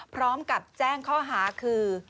พร้อมกับแจ้งข้อหาคือ